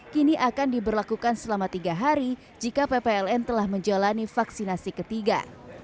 kini akan diberlakukan selama tiga hari jika ppln telah menjalani vaksinasi ketiga